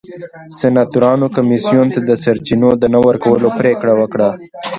سناتورانو کمېسیون ته د سرچینو د نه ورکولو پرېکړه وکړه.